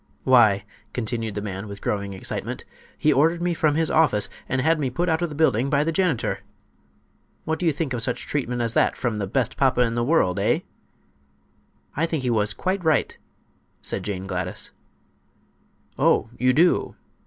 "Why," continued the man, with growing excitement, "he ordered me from his office, and had me put out of the building by the janitor! What do you think of such treatment as that from the 'best papa in the world,' eh?" "I think he was quite right," said Jane Gladys. "Oh, you do?